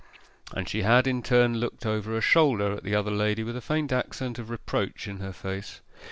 And she had in turning looked over her shoulder at the other lady with a faint accent of reproach in her face.